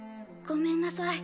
ごめんなさい。